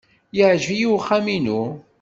Yeɛjeb-iyi uxxam-inu.